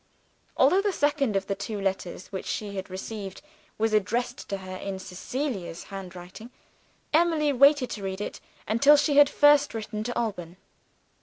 Although the second of the two letters which she had received was addressed to her in Cecilia's handwriting, Emily waited to read it until she had first written to Alban.